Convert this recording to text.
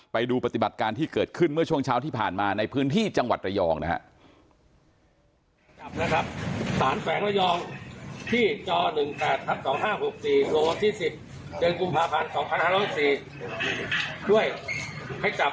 ไปดูปฏิบัติการที่เกิดขึ้นเมื่อช่วงเช้าที่ผ่านมาในพื้นที่จังหวัดระยองนะครับ